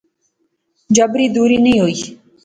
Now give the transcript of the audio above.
جبری دوری نئیں ہوںی